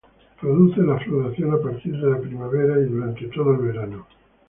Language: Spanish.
Produce la floración a partir de la primavera y durante todo el verano.